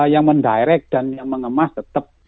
yang mendirect dan yang mengemas tetap